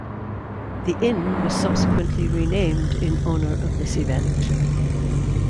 The inn was subsequently renamed in honor of this event.